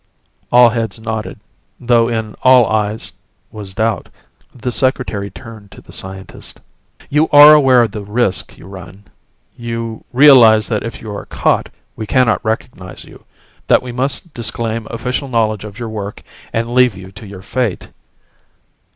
All heads nodded, though in all eyes was doubt. The Secretary turned to the scientist. "You are aware of the risk you run? You realize that if you are caught, we cannot recognize you that we must disclaim official knowledge of your work, and leave you to your fate?"